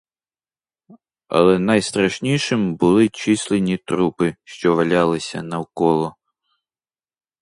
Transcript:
Але найстрашнішим були численні трупи, що валялися навколо.